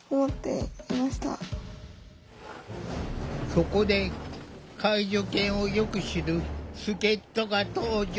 そこで介助犬をよく知る助っとが登場！